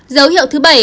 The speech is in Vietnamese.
dấu hiệu thứ bảy